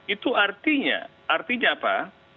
itu artinya artinya apa